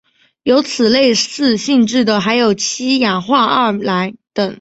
有此类似性质的还有七氧化二铼等。